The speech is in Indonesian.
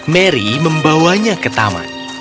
mary membawanya ke taman